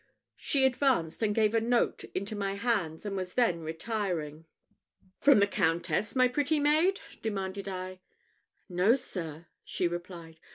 She advanced, and gave a note into my hands, and was then retiring. "From the Countess, my pretty maid?" demanded I. "No, sir," she replied.